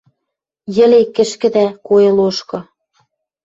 «Йӹле кӹшкӹдӓ коэ лошкы